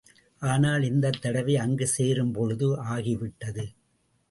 ஆனால் இந்தத் தடவை அங்கு சேரும்பொழுது ஆகிவிட்டது.